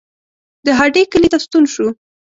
د هډې کلي ته ستون شو.